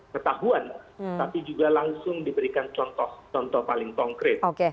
ketahuan tapi juga langsung diberikan contoh contoh paling konkret